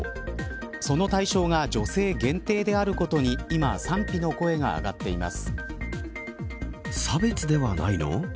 その対象が女性限定であることに今、賛否の声が上がっています。